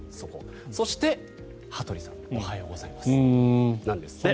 そして、羽鳥さんのおはようございますなんですって。